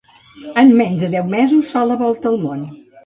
En menys de deu mesos fa la volta al món.